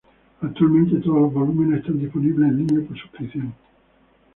Actualmente todos los volúmenes están disponibles en línea por suscripción.